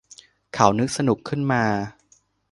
เขานึกสนุกขึ้นมา